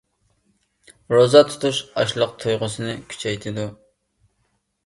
روزا تۇتۇش ئاچلىق تۇيغۇسىنى كۈچەيتىدۇ.